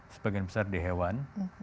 sebagian besar di hewan